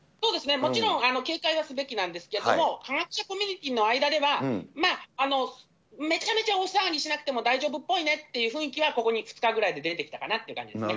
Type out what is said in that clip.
もちろん、警戒はすべきなんですけれども、科学者コミュニティの間では、まあめちゃめちゃ大騒ぎしなくても大丈夫っぽいねっていう、雰囲気はここ２日ぐらいで出てきたかなという感じですね。